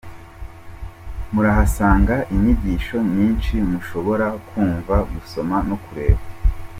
com Murahasanga inyigisho nyinshi mushobora kumva, gusoma no kureba.